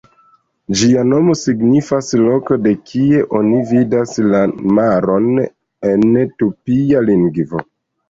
Ĝia nomo signifas "loko de kie oni vidas la maron" en tupia lingvo.